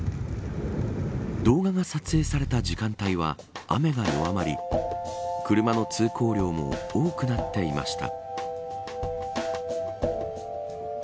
動画が撮影された時間帯は雨が弱まり車の通行量も多くなっていました。